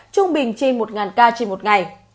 trung bình trên một ca trên một ngày